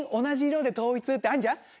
同じ色で統一ってあるじゃん。